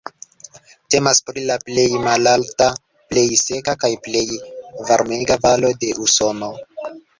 Temas pri la plej malalta, plej seka kaj plej varmega valo de Usono.